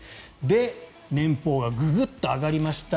で、年俸がググッと上がりました。